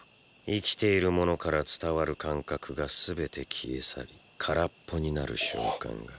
生きているものから伝わる感覚が全て消え去り空っぽになる瞬間が。